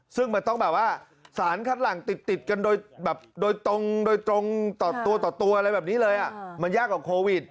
ซึ่งมันต้องแบบว่าสารคลัดหลังติดกันโดยตรงต่อตัวอะไรแบบนี้เลยมันยากกว่าโควิด